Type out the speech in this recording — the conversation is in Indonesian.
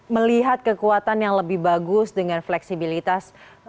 melihat kekuatan yang lebih bagus dengan fleksibilitas